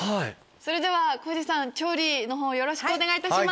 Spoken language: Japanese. それでは調理の方よろしくお願いいたします。